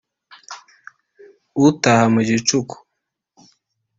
utaha mu gicuku